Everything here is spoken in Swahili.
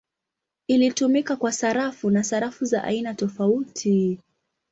Ilitumika kwa sarafu na sarafu za aina tofauti.